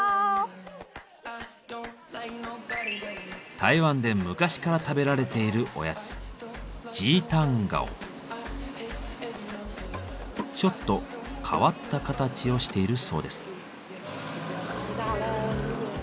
台湾で昔から食べられているおやつちょっと変わった形をしているそうです。